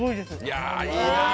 いやぁ、いいなあ。